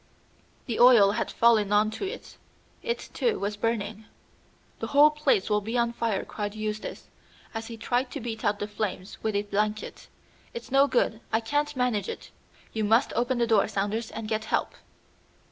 The oil had fallen on to it. It, too, was burning. "The whole place will be on fire!" cried Eustace, as he tried to beat out the flames with a blanket. "It's no good! I can't manage it. You must open the door, Saunders, and get help."